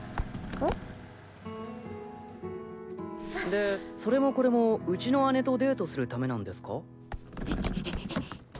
でそれもこれもうちの姉とデートするためなんですか？